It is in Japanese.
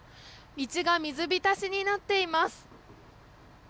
道が水浸しになっています。